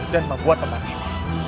dan membuat teman ini